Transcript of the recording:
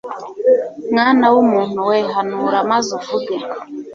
mwana w umuntu we hanura maze uvuge